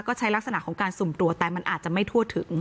ก็ใช้ลักษณะของการสุ่มตรวจแต่มันอาจจะไม่ทั่วถึง